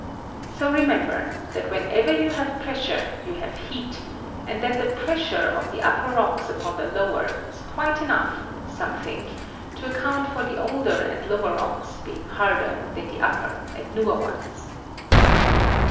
So remember that wherever you have pressure you have heat, and that the pressure of the upper rocks upon the lower is quite enough, some think, to account for the older and lower rocks being harder than the upper and newer ones.